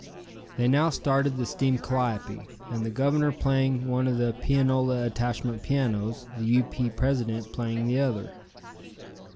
They now started the steam calliope, and the Governor playing one of the pianola attachment pianos, the U. P. president playing the other.